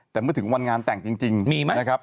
แต่เมื่อถึงวันงานแต่งจริงมีมากนะครับ